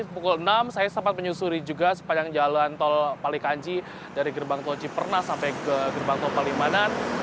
pukul enam saya sempat menyusuri juga sepanjang jalan tol palikanci dari gerbang tol cipernas sampai ke gerbang tol palimanan